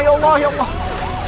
ya allah ya allah